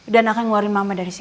dan akan ngeluarin mama dari sini